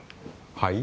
はい？